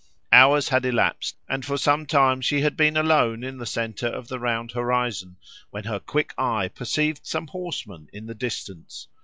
Hours had elapsed, and for some time she had been alone in the centre of the round horizon, when her quick eye perceived some horsemen in the distance.